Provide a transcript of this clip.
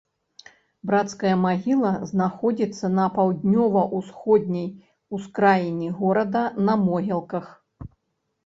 Брацкая магіла знаходзіцца на паўднёва-ўсходняй ускраіне горада на могілках.